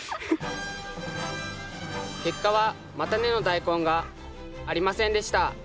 結果は叉根のダイコンがありませんでした。